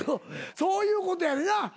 そういうことやんな。